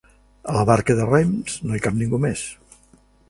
A la barca de rems no hi cap ningú més.